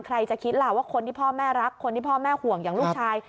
ใครจะคิดล่ะว่าคนที่พ่อแม่รักคนที่พ่อแม่ห่วงอย่างลูกชาย